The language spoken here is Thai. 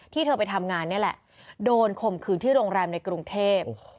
เธอไปทำงานนี่แหละโดนข่มขืนที่โรงแรมในกรุงเทพ